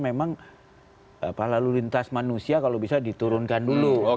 memang lalu lintas manusia kalau bisa diturunkan dulu